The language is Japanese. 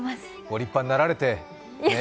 ご立派になられて、ねえ。